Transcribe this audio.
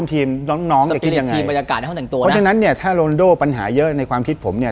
เพื่อนร่วมทีมน้องจะคิดยังไงเพราะฉะนั้นเนี่ยถ้ารวดโด่ปัญหาเยอะในความคิดผมเนี่ย